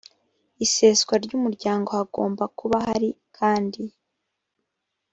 iseswa ry umuryango hagomba kuba hari kandi